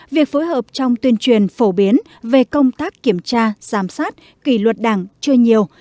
việc phối hợp trong tuyên truyền phổ biến về công tác kiểm tra giám sát kỷ luật đảng chưa nhiều